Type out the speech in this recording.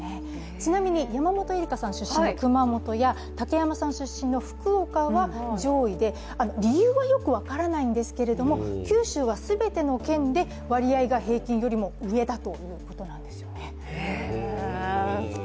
ちなみに山本恵里伽さん出身の熊本や竹山さん出身の福岡は上位で、理由はよく分からないんですけれども、九州は全ての県で割合が平均よりも上だということなんですよね。